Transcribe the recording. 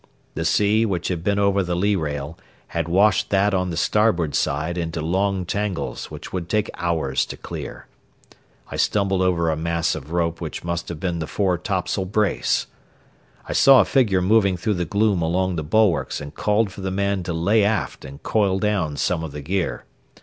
The sea, which had been over the lee rail, had washed that on the starboard side into long tangles which would take hours to clear. I stumbled over a mass of rope which must have been the fore topsail brace. I saw a figure moving through the gloom along the bulwarks and called for the man to lay aft and coil down some of the gear.